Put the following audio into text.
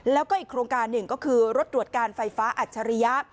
แล้วก็อีกโครงการหนึ่งก็คือรถตรวจการไฟฟ้าอัจฉริยะ